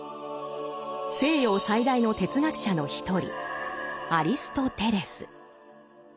西洋最大の哲学者の一人アリストテレス。